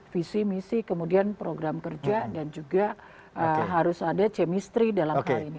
visi misi kemudian program kerja dan juga harus ada chemistry dalam hal ini